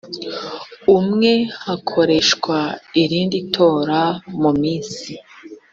umwe hakoreshwa irindi tora mu minsi